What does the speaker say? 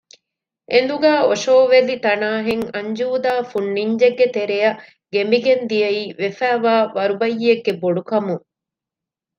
އެނދުގައި އޮށޯވެލި ތަނާހެން އަންޖޫދާ ފުން ނިންޖެއްގެ ތެރެއަށް ގެނބިގެން ދިއައީ ވެފައިވާ ވަރުބައްޔެއްގެ ބޮޑުކަމުން